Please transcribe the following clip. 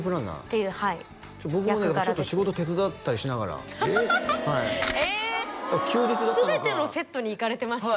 っていうはい役柄で僕もねちょっと仕事手伝ったりしながらえ全てのセットに行かれてますね